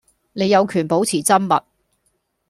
你有權保持緘默